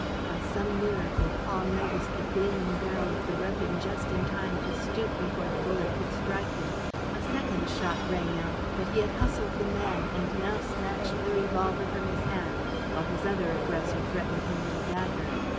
By some miracle, Paul noticed the gleaming barrel of the weapon just in time to stoop before the bullet could strike him. A second shot rang out, but he had hustled the man and now snatched the revolver from his hand, while his other aggressor threatened him with a dagger.